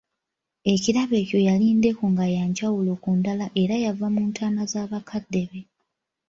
Ekirabo ekyo yali ndeku nga ya njawulo ku ndala era yava mu ntaana za bakadde be.